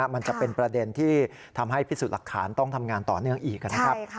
มันจะเป็นประเด็นที่ทำให้พิสูจน์หลักฐานต้องทำงานต่อเนื่องอีกนะครับ